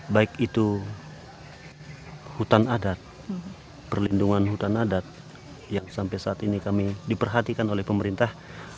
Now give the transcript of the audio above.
baik itu hutan adat perlindungan hutan adat yang sampai saat ini kami diperhatikan oleh pemerintah